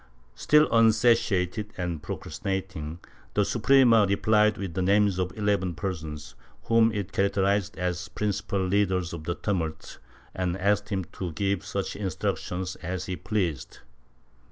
Still unsatiated and procrasti nating, the Suprema replied with the names of eleven persons, whom it characterized as principal leaders of the tumults and asked him to give such instructions as he pleased.